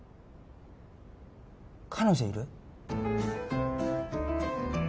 彼女いる？